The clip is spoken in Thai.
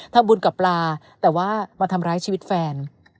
ทำบุญกับปลาแต่ว่ามาทำร้ายชีวิตแฟน